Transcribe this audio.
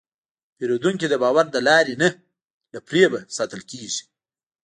پیرودونکی د باور له لارې نه، له فریب نه ساتل کېږي.